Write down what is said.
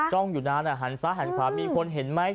้องอยู่นานหันซ้ายหันขวามีคนเห็นไหม